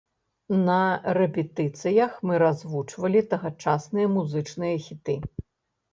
На рэпетыцыях мы развучвалі тагачасныя музычныя хіты.